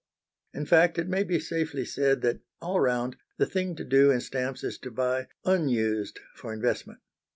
In fact, it may be safely said that, all round, the thing to do in stamps is to buy unused for investment.